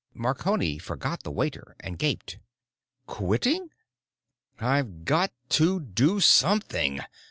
Marconi forgot the waiter and gaped. "Quitting?" "I've got to do something!"